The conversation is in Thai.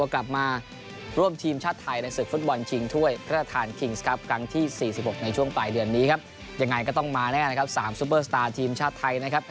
กับวิทเซอร์โกเบคก่อนที่จะตัดสินใจนะครับ